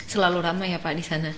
selalu ramai ya pak di sana